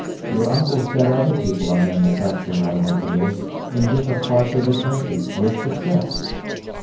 Your uncle said other people are manufacturing automobiles in different parts of the country with success.